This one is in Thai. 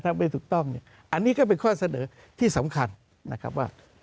ถ้าไม่ถูกต้องเนี่ยอันนี้ก็เป็นข้อเสนอที่สำคัญนะครับว่า